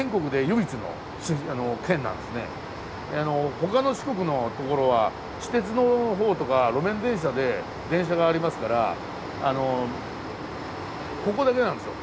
他の四国の所は私鉄のほうとか路面電車で電車がありますからここだけなんですよ